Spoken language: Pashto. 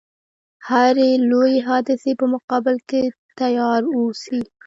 هري لويي حادثې په مقابل کې تیار و اوسي.